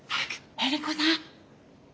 エリコさん！